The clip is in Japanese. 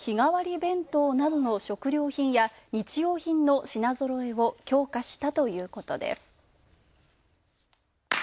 弁当などの食料品や日用品の品ぞろえを強化したということです。